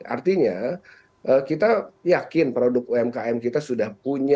artinya kita yakin produk umkm kita sudah punya